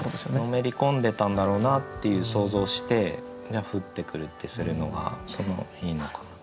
のめり込んでたんだろうなっていう想像をして「降ってくる」ってするのがいいのかなと。